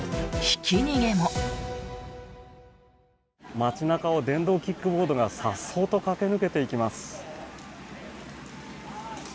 街中を電動キックボードがさっそうと駆け抜けていきます。